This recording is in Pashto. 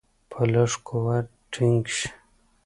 په لږ قوت ټینګ شي.